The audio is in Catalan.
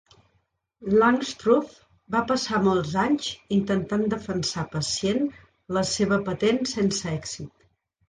Langstroth va passar molts anys intentant defensar pacient la seva patent sense èxit.